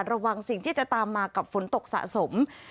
ระวังสิ่งที่จะตามมากับฝนตกสะสม